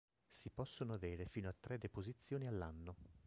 Si possono avere fino a tre deposizioni all'anno.